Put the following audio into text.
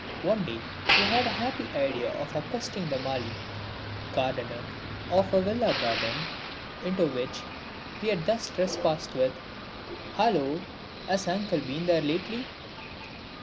One day he had the happy idea of accosting the mali (gardener) of a villa garden into which we had thus trespassed with: "Hallo, has uncle been here lately!"